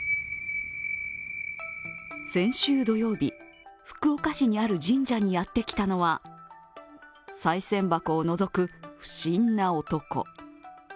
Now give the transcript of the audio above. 先週土曜日、福岡市にある神社にやってきたのはさい銭箱をのぞく不審な男。